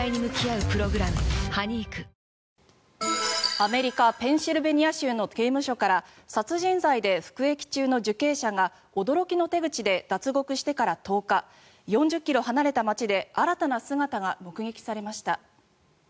アメリカ・ペンシルベニア州の刑務所から殺人罪で服役中の受刑者が驚きの手口で脱獄してから１０日４０ｋｍ離れた街で新たな姿が目撃されました。